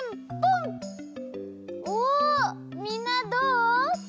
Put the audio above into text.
おみんなどう？